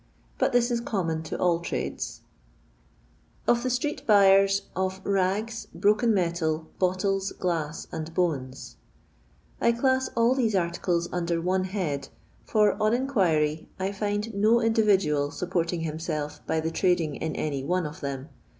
But this is common to all trades. 101 LONDON LABOUR AND THE LONDON POOR. Or THE Street Butebs of Raos, Brokkh Mktal, Bottles, Glass, A5d Bohbs. I CLASS all these articles under one head, for, on inquiry, I find no individual supporting himself by the trading in any one of them.